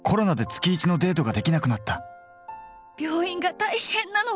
病院が大変なの！